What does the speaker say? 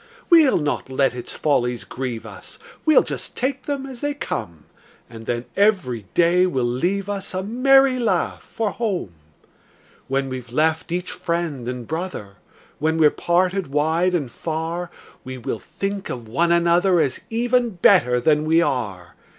We'll not let its follies grieve us, We'll just take them as they come; And then every day will leave us A merry laugh for home. When we've left each friend and brother, When we're parted wide and far, We will think of one another, As even better than we are.